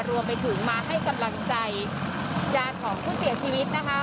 รวมไปถึงมาให้กำลังใจญาติของผู้เสียชีวิตนะคะ